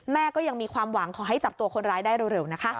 แม่ก็ยังมีความหวังขอให้จับตัวคนร้ายได้เร็วนะคะ